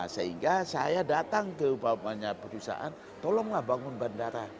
sehingga saya datang ke upamanya perusahaan tolonglah bangun bandara